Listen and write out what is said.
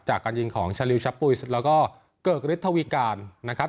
จากการยิงของชลียชปุยแล้วก็เกิริดตะวิกัลนะครับ